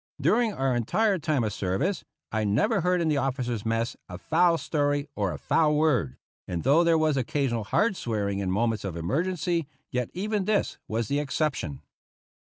Dur ing our entire time of service, I never heard in the officers' mess a foul story or a foul word ; and though there was occasional hard swearing in moments of emergency, yet even this was the exception.